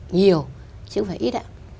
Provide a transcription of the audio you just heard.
là loại nhiều chứ không phải ít ạ